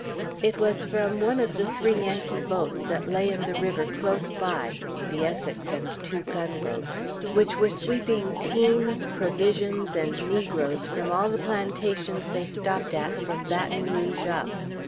It was from one of the three Yankee boats that lay in the river close by (the Essex and two gunboats), which were sweeping teams, provisions, and negroes from all the plantations they stopped at from Baton Rouge up.